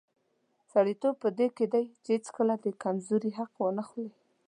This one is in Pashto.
سړیتوب په دې کې دی چې هیڅکله د کمزوري حق وانخلي.